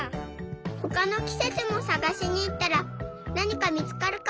ほかのきせつもさがしにいったらなにかみつかるかも。